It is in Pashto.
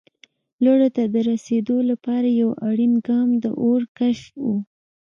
لوړو ته د رسېدو لپاره یو اړین ګام د اور کشف و.